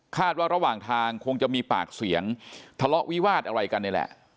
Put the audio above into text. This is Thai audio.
ว่าระหว่างทางคงจะมีปากเสียงทะเลาะวิวาสอะไรกันนี่แหละ